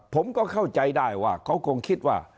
ผมก็เข้าใจได้ว่าเขาคงคิดว่า